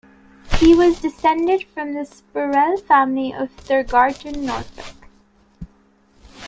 He was descended from the Spurrell family of Thurgarton, Norfolk.